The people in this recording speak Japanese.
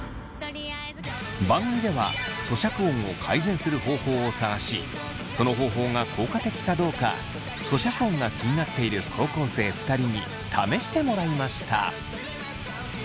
番組では咀嚼音を改善する方法を探しその方法が効果的かどうか咀嚼音が気になっている高校生２人に試してもらいました。